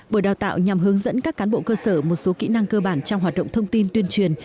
buổi đào tạo nhằm hướng dẫn các cán bộ cơ sở một số kỹ năng cơ bản trong hoạt động thông tin tuyên truyền